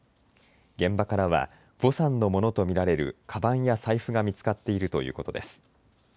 現場からはヴォさんのものと見られるかばんや財布が見つかっているということです。